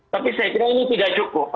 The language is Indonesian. tapi saya kira ini tidak cukup